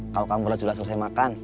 kalo kamu udah selesai makan